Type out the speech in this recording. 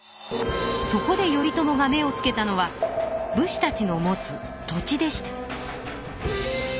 そこで頼朝が目をつけたのは武士たちの持つ土地でした。